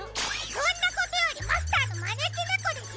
そんなことよりマスターのまねきねこですよ